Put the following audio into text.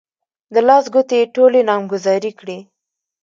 د لاس ګوتې يې ټولې نامګذاري کړې.